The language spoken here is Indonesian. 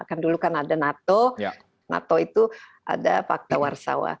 kan dulu kan ada nato nato itu ada fakta warsawa